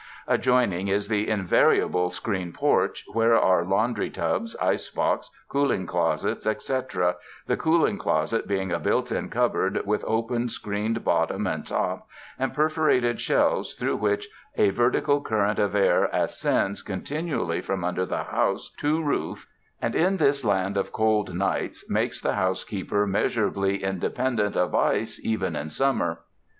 Adjoining is the invariable screen porch where are laundry tubs, ice box, cooling closets, et cetera, the cooling closet being a built in cupboard with open, screened bottom and top and perforated shelves through which a vertical current of air ascends con tinually from under the house to roof, and, in this 240 RESIDENCE IN THE LAND OF SUNSHINE land of I'old nights, makes the housekeeper measur ably independent of ice even in summer.